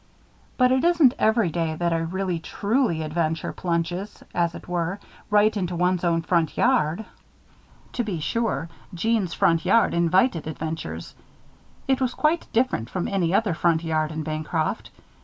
But it isn't every day that a really, truly adventure plunges, as it were, right into one's own front yard. To be sure, Jeanne's front yard invited adventures. It was quite different from any other front yard in Bancroft.